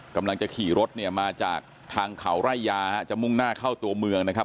กำลังจะขี่รถเนี่ยมาจากทางเขาไร่ยาจะมุ่งหน้าเข้าตัวเมืองนะครับ